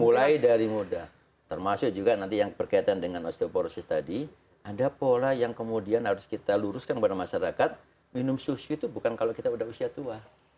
mulai dari muda termasuk juga nanti yang berkaitan dengan osteoporosis tadi ada pola yang kemudian harus kita luruskan kepada masyarakat minum susu itu bukan kalau kita udah usia tua